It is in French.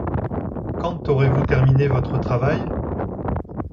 Quand aurez-vous terminé votre travail ?